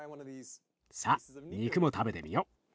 さあ肉も食べてみよう。